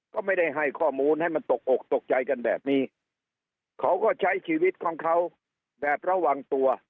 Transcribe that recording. ก็ไม่ได้ให้ข้อมูลให้มันตกอกตกใจกันแบบนี้เขาก็ใช้ชีวิตของเขาแบบระวังตัว